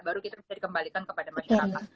baru kita bisa dikembalikan kepada masyarakat